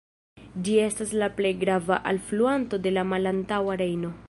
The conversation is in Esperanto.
Ĝi estas la plej grava alfluanto de la Malantaŭa Rejno.